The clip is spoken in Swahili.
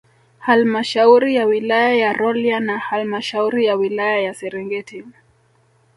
Halmashauri ya Wilaya ya Rolya na Halmashauri ya wilaya ya Serengeti